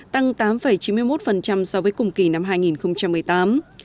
tăng tám chín mươi một so với cùng kỳ năm hai nghìn một mươi tám